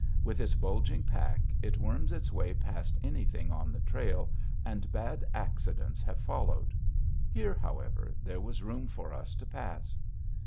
With its bulging pack, it worms its way past anything on the trail, and bad accidents have followed. Here, however, there was room for us to pass.